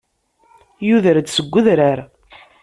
Yuder-d seg udrar.